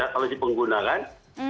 kalau si pengguna kan